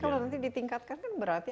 kalau nanti ditingkatkan kan berarti